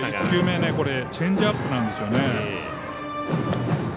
１球目チェンジアップなんですよね。